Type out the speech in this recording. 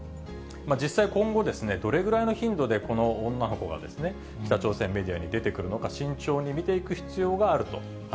実際、今後どれぐらいの頻度でこの女の子が、北朝鮮メディアに出てくるのか、慎重に見ていく必要